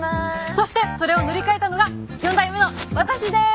そしてそれを塗り替えたのが四代目の私でーす。